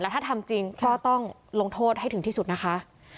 ถ้าทำจริงก็ต้องลงโทษให้ถึงที่สุดนะคะ